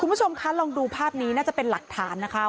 คุณผู้ชมคะลองดูภาพนี้น่าจะเป็นหลักฐานนะคะ